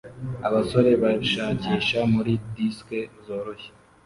Abasore bashakisha muri disiki zoroshye